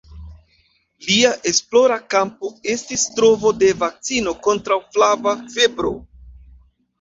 Lia esplora kampo estis trovo de vakcino kontraŭ flava febro.